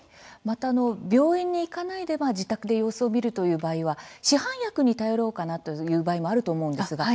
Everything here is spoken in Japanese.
また病院に行かないで自宅で様子を見るという場合は市販薬に頼ろうかなという場合もあると思います。